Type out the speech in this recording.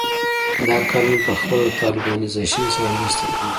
دا کارونه پخپله له طالبانیزېشن سره مرسته کوي.